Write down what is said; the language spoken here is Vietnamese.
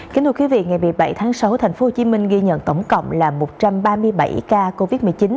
kính thưa quý vị ngày một mươi bảy tháng sáu tp hcm ghi nhận tổng cộng là một trăm ba mươi bảy ca covid một mươi chín